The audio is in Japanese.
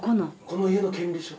この家の権利証？